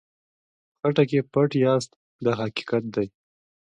په خټه کې پټ یاست دا حقیقت دی.